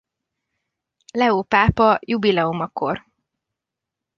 Leó pápa jubileumakor.